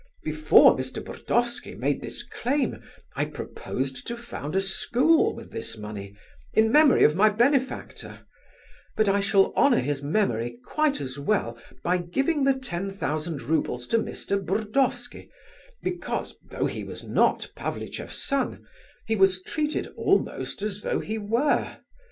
Before Mr. Burdovsky made this claim, I proposed to found a school with this money, in memory of my benefactor, but I shall honour his memory quite as well by giving the ten thousand roubles to Mr. Burdovsky, because, though he was not Pavlicheff's son, he was treated almost as though he were.